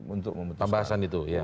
untuk memutuskan pembahasan itu iya